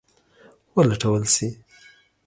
ولټول شي.